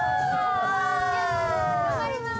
頑張ります！